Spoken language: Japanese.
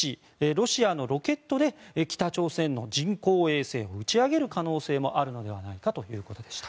ロシアのロケットで北朝鮮の人工衛星を打ち上げる可能性もあるのではないかということでした。